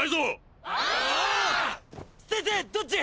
先生どっち！？